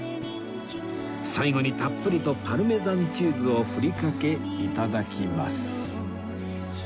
最後にたっぷりとパルメザンチーズを振りかけ頂きます